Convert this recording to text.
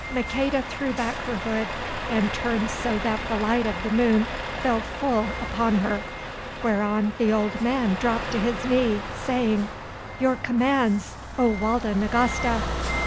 Maqueda threw back her hood and turned so that the light of the moon fell full upon her, whereon the old man dropped to his knee, saying: "Your commands, O Walda Nagasta."